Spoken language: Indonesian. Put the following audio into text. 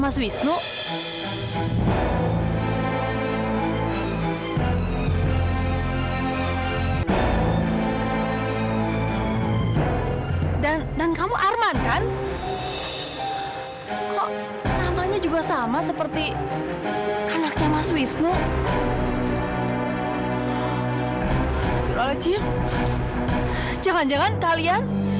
sampai jumpa di video selanjutnya